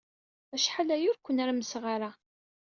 Acḥal aya ur k-nnermseɣ ara.